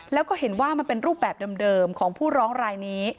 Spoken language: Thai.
แล้วก็เห็นว่ามันเป็นรูปแบบเดิมของผู้ร้องรายนี้